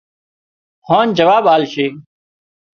هانَ جواب آلشي